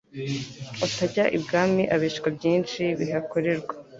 Utajya Ibwami abeshywa byinshi bihakorerwa